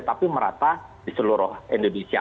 tapi merata di seluruh indonesia